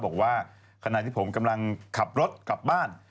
บอกว่าขณะที่ผมกำลังขับรถกลับบ้าน